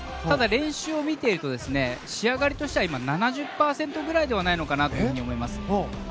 ただ、練習を見ていると仕上がりとしては今、７０％くらいではないのかなと思います。